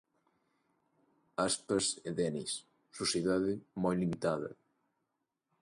Aspas e Denis, sociedade moi limitada...